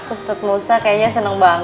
ustadz musa kayaknya seneng banget